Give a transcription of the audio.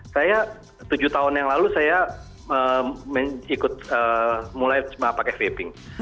saya tujuh tahun yang lalu saya ikut mulai pakai vaping